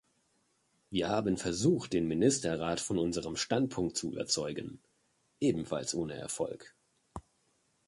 Wir haben versucht, den Ministerrat von unserem Standpunkt zu überzeugen, ebenfalls ohne Erfolg.